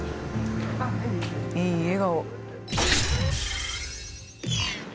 いい笑顔。